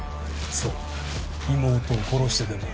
そう妹を殺してでも。